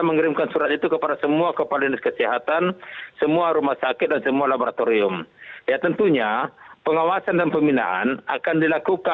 harganya masih berbeda beda